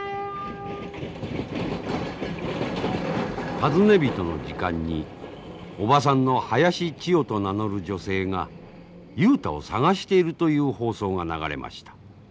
尋ね人の時間におばさんの林千代と名乗る女性が雄太を捜しているという放送が流れました。